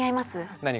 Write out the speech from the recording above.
何が？